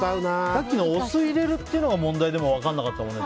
さっきのお酢入れるのも問題でも分かんなかったもんね。